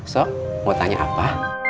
so mau tanya apa